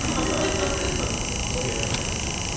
関係ない話をしました。